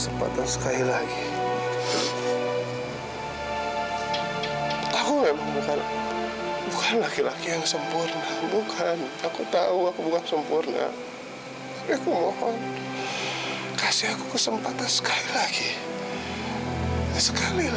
masa kamu tidak mencintai aku